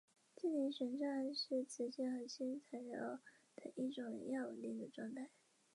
奥斯威辛是波兰小波兰省的一个镇。